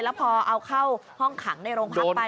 แล้วพอเอาเข้าห้องขังในโรงพักไป